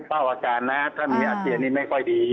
เป้าอาการนะถ้ามีอเตียนนี่ไม่ค่อยดี